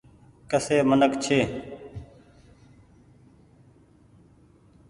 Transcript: ڪسي منک ڇي ۔